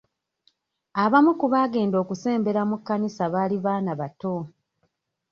Abamu ku baagenda okusembera mu kkanisa baali baana bato.